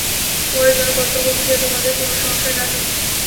পরে যেন কর্তব্য বিষয়ে তোমাদের কোন সংশয় না থাকে।